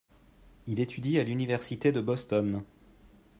Il étudie à l'université de Boston.